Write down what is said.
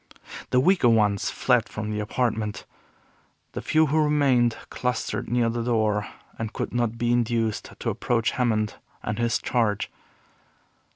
The weaker ones fled from the apartment. The few who remained clustered near the door and could not be induced to approach Hammond and his Charge.